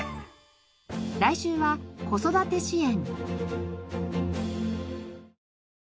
来週は子育て支援。